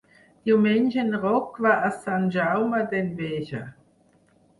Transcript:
Diumenge en Roc va a Sant Jaume d'Enveja.